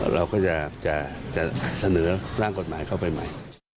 เราก็จะเสนอร่างกฎหมายเข้าไปใหม่